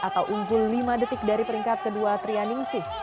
atau unggul lima detik dari peringkat kedua trianingsih